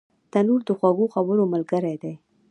تنور د خوږو خبرو ملګری دی